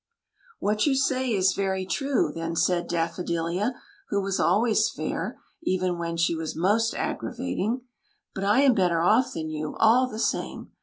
" What you say is very true," then said Daffo dilia, who was always fair, even when she was most aggravating ;" but I am better off than you, all the same.